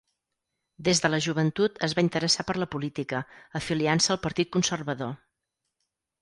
Des de la joventut es va interessar per la política, afiliant-se al Partit Conservador.